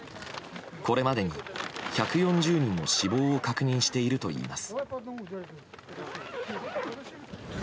これまでに１４０人の死亡を確認しているといいます。